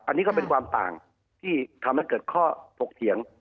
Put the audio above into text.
อันนี้ก็เป็นความต่างที่ทำให้เกิดข้อถกเถียง